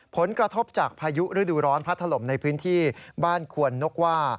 ผลกระทบจากพายุฤดูร้อนพัดถล่มในพื้นที่บ้านควนนกว่า